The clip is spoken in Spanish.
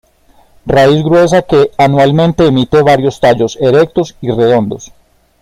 Raíz gruesa que anualmente emite varios tallos erectos y redondos.